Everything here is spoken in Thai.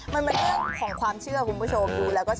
มันไม่ด้วยขอความเชื่อคุณผู้ชมดูแล้ว